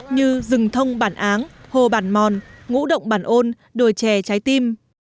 như rừng thông bản áng hồ bản mòn ngũ động bản ôn đồi chè trái tim